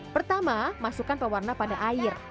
pertama masukkan pewarna pada air